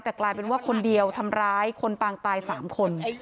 แต่กลายเป็นว่าคนเดียวทำร้ายคนปางตาย๓คน